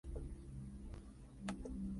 Es una planta herbácea anual o bienal.